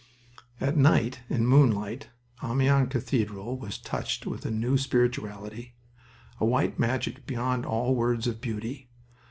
At night, in moonlight, Amiens cathedral was touched with a new spirituality, a white magic beyond all words of beauty.